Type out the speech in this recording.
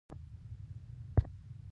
جګړه د بې ګناه خلکو ژوند ختموي